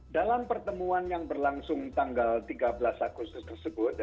dalam pertemuan yang berlangsung tanggal tiga belas agustus tersebut